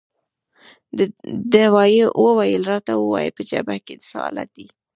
ده وویل: راته ووایه، په جبهه کې څه حالات دي؟